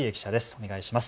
お願いします。